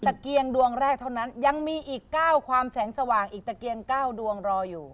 เกียงดวงแรกเท่านั้นยังมีอีก๙ความแสงสว่างอีกตะเกียง๙ดวงรออยู่